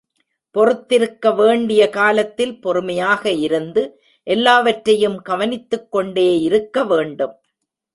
பொறுத்திருக்க வேண்டிய காலத்தில் பொறுமையாக இருந்து எல்லாவற்றையும் கவனித்துக்கொண்டே இருக்க வேண்டும்.